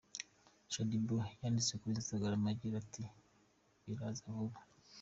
Shaddy Boo yanditse kuri instagram agira ati :”Biraza vuba.